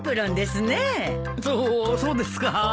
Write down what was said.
そそうですか？